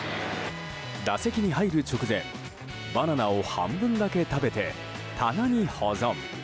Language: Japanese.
打席に入る直前バナナを半分だけ食べて棚に保存。